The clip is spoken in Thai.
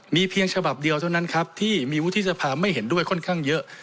มีเพียงฉบับเดียวเท่านั้นครับที่มีวุฒิสภาไม่เห็นด้วยค่อนข้างเยอะ